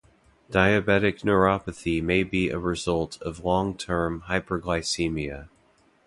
Diabetic neuropathy may be a result of long-term hyperglycemia.